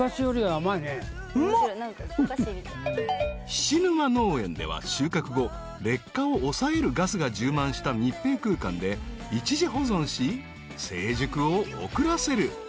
［菱沼農園では収穫後劣化を抑えるガスが充満した密閉空間で一時保存し成熟を遅らせる］